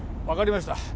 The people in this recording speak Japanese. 分かりました